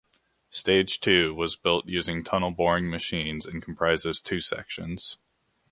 Stage Two was built using tunnel boring machines and comprises two sections.